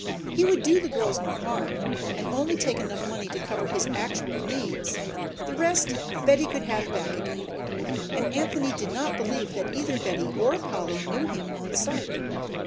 He would do the girls no harm and only take enough money to cover his actual needs. The rest Betty could have back again. Anthony did not believe that either Betty or Polly knew him on sight.